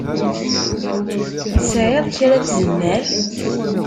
Tesɛiḍ kra n tzemmar?